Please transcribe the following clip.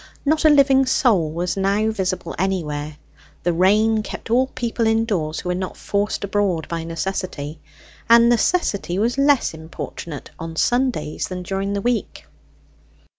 Not a living soul was now visible anywhere; the rain kept all people indoors who were not forced abroad by necessity, and necessity was less importunate on Sundays than during the week.